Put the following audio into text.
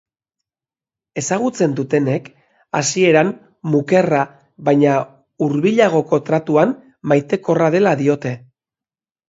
Ezagutzen dutenek hasieran mukerra, baina hurbilagoko tratuan maitekorra dela diote.